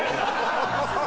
ハハハハ！